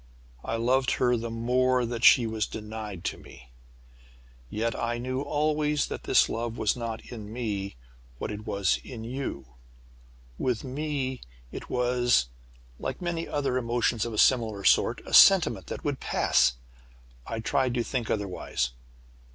I loved her the more that she was denied to me! Yet I knew always that this love was not in me what it was in you. With me it was, like many other emotions of a similar sort a sentiment that would pass. I tried to think otherwise.